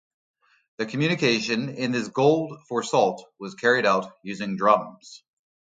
The communication in this gold-for-salt was carried out using drums.